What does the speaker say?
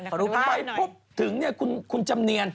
ตอนนั้นไปพบถึงคุณจำเนียน